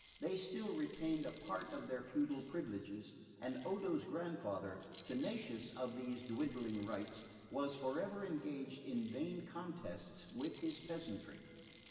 They still retained a part of their feudal privileges, and Odo's grandfather, tenacious of these dwindling rights, was for ever engaged in vain contests with his peasantry.